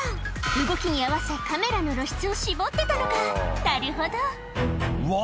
動きに合わせカメラの露出を絞ってたのかなるほどうわ！